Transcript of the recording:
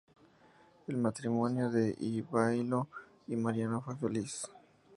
El matrimonio de Ivailo y María no fue feliz.